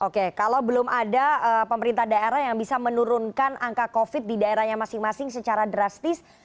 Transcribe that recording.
oke kalau belum ada pemerintah daerah yang bisa menurunkan angka covid di daerahnya masing masing secara drastis